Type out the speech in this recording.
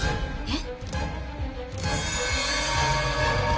えっ？